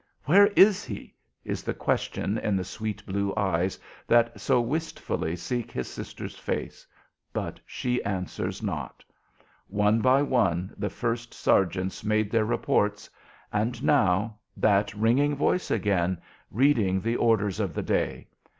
"Where is he?" is the question in the sweet blue eyes that so wistfully seek his sister's face; but she answers not. One by one the first sergeants made their reports; and now that ringing voice again, reading the orders of the day.